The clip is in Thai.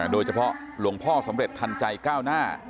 โดยเฉพาะหลวงพ่อสำเร็จทันใจก้าวหน้า